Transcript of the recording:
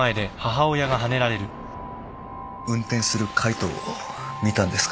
運転する海藤を見たんですから。